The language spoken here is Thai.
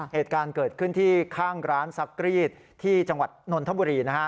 เหตุการณ์เกิดขึ้นที่ข้างร้านซักรีดที่จังหวัดนนทบุรีนะฮะ